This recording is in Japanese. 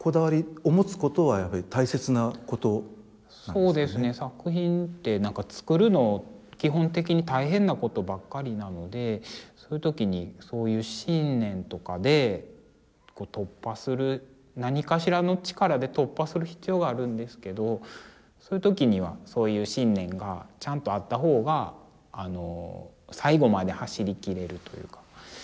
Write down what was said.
そうですね作品ってなんか作るの基本的に大変なことばっかりなのでそういう時にそういう信念とかで突破する何かしらの力で突破する必要があるんですけどそういう時にはそういう信念がちゃんとあった方が最後まで走りきれるというか。